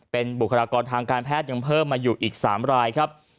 เป็นบุคลากรทางการแพทย์ยังเพิ่มมาอยู่อีก๓รายครับ